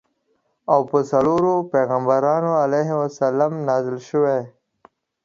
او په څلورو پیغمبرانو علیهم السلام نازل شویدي.